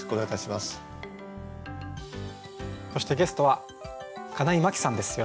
そしてゲストは金井真紀さんです。